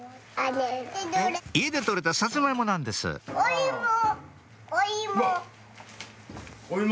家で採れたサツマイモなんですおいもおいも。